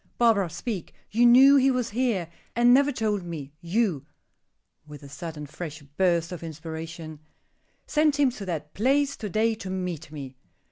"Barbara, speak. You knew he was here, and never told me; you," with a sudden, fresh burst of inspiration, "sent him to that place to day to meet me."